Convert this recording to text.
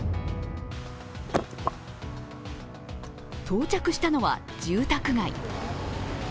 到着したのは住宅街。